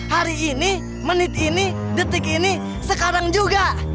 hari ini menit ini detik ini sekarang juga